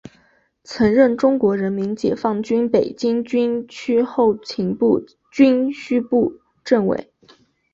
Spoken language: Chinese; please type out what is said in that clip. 曾任中国人民解放军北京军区后勤部军需部政委。